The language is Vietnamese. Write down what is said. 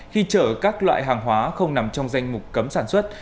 khi chở các loại hàng hóa không nằm trong danh mục cấm sản xuất